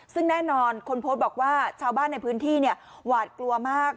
ซึ่งแน่นอนคนโพสต์บอกว่าชาวบ้านในพื้นที่หวาดกลัวมาก